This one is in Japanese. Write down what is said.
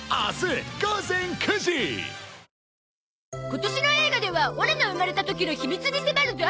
今年の映画ではオラが生まれた時の秘密に迫るゾ。